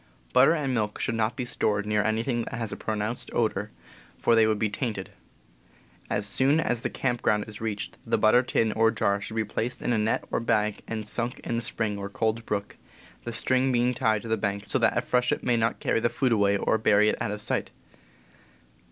Butter and milk should not be stored near anything that has a pronounced odor, for they would be tainted. As soon as the camp ground is reached the butter tin or jar should be placed in a net or bag and sunk in the spring or cold brook, the string being tied to the bank so that a freshet may not carry the food away or bury it out of sight.